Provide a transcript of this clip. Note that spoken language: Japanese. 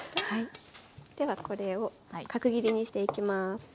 ではこれを角切りにしていきます。